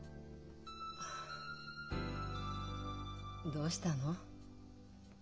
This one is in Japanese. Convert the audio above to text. どうしたの？